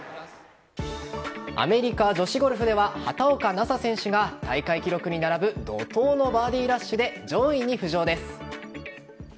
アメリカ女子ゴルフでは畑岡奈紗選手が大会記録に並ぶ怒涛のバーディーラッシュで上位に浮上です。